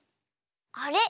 あれ？